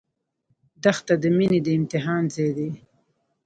دښته د مینې د امتحان ځای دی.